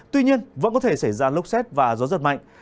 tuy nhiên vẫn có thể xảy ra lốc xét và gió giật mạnh